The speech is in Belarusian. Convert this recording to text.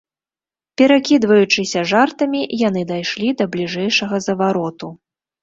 Перакідваючыся жартамі, яны дайшлі да бліжэйшага завароту.